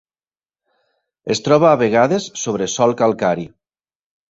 Es troba a vegades sobre sòl calcari.